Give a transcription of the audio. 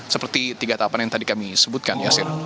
seperti tiga tahapan yang tadi kami sebutkan ya